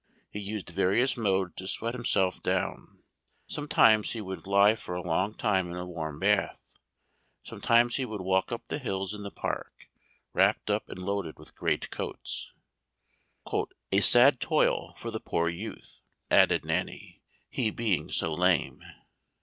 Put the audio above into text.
He used various modes to sweat himself down; sometimes he would lie for a long time in a warm bath, sometimes he would walk up the hills in the park, wrapped up and loaded with great coats; "a sad toil for the poor youth," added Nanny, "he being so lame."